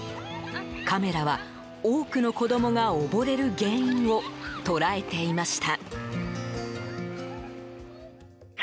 カメラは、多くの子供が溺れる原因を捉えていました。